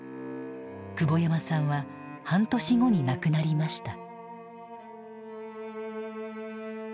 久保山さんは半年後に亡くなりました。